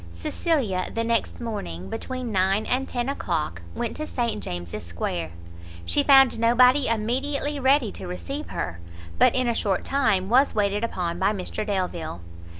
Cecilia the next morning, between nine and ten o'clock, went to St James' Square; she found nobody immediately ready to receive her, but in a short time was waited upon by Mr Delvile.